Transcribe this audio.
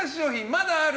まだある？